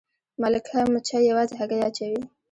ملکه مچۍ یوازې هګۍ اچوي